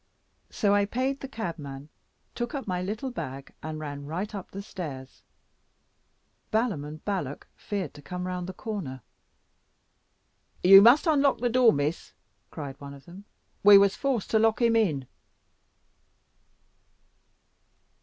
So I paid the cabman, took up my little bag, and ran right up the stairs. Balaam and Balak feared to come round the corner. "You must unlock the door, Miss," cried one of them, "we was forced to lock him in."